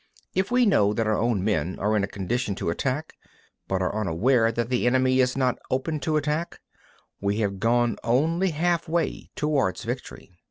27. If we know that our own men are in a condition to attack, but are unaware that the enemy is not open to attack, we have gone only halfway towards victory.